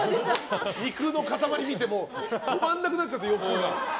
肉の塊を見て止まらなくなっちゃって、欲が。